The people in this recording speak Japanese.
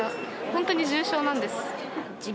ほんとに重症なんです。